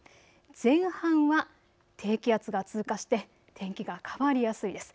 前半は低気圧が通過して天気が変わりやすいです。